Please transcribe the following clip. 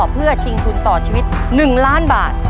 เพื่อชิงทุนต่อชีวิต๑ล้านบาท